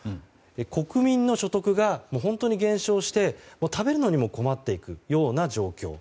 国民の所得が本当に減少して食べるのにも困っていくような状況。